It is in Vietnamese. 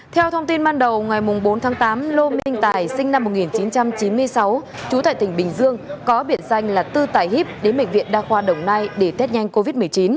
theo thông tin ban đầu ngày bốn tháng tám lô minh tài sinh năm một nghìn chín trăm chín mươi sáu trú tại tỉnh bình dương có biệt danh là tư tài hip đến bệnh viện đa khoa đồng nai để test nhanh covid một mươi chín